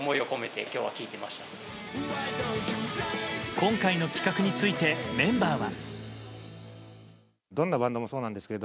今回の企画についてメンバーは。